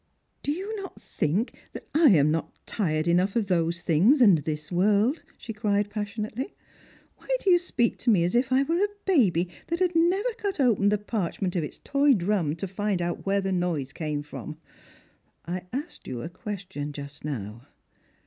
" Do you think I am not tired enough of those things and this world?" she cried passionately. "Why do you speak to jne as if I were a baby that had never cut open the parchment of its toy drum to find out where the noise came from? I asked you a question just now.